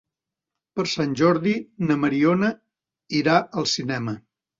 Per Sant Jordi na Mariona irà al cinema.